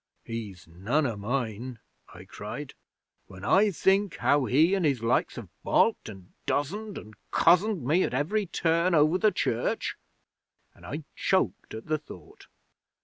'"He's none of mine," I cried. "When I think how he and his likes have baulked and dozened and cozened me at every turn over the church" and I choked at the thought.